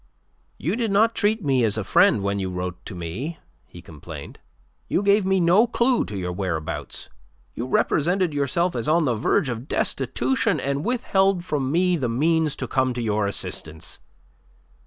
"You did not treat me as a friend when you wrote to me," he complained. "You gave me no clue to your whereabouts; you represented yourself as on the verge of destitution and withheld from me the means to come to your assistance.